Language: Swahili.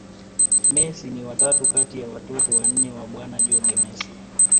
Messi ni wa tatu kati ya watoto wanne wa bwana Jorge Mesi